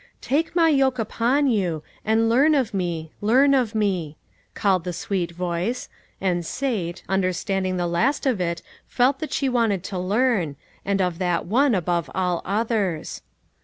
" Take my yoke upon you, and learn of Me, learn of Me," called the sweet voice, and Sate, understanding the last of it felt that she wanted to ^arn, and of that One above all others.